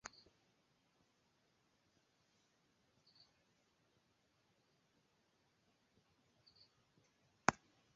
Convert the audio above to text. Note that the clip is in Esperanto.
Post ili okupis la insulojn danoj.